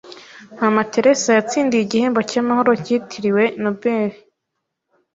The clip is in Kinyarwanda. Mama Teresa yatsindiye igihembo cyamahoro cyitiriwe Nobel